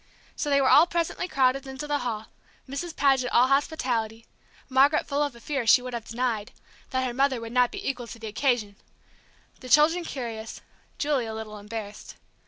So they were all presently crowded into the hall, Mrs. Paget all hospitality, Margaret full of a fear she would have denied that her mother would not be equal to the occasion, the children curious, Julie a little embarrassed.